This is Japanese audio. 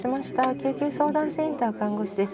救急相談センター看護師です。